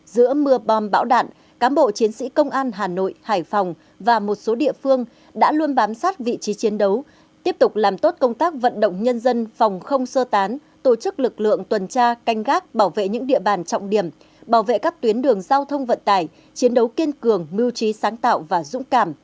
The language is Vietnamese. giữa mưa bom bão đạn cám bộ chiến sĩ công an hà nội hải phòng và một số địa phương đã luôn bám sát vị trí chiến đấu tiếp tục làm tốt công tác vận động nhân dân phòng không sơ tán tổ chức lực lượng tuần tra canh gác bảo vệ những địa bàn trọng điểm bảo vệ các tuyến đường giao thông vận tải chiến đấu kiên cường mưu trí sáng tạo và dũng cảm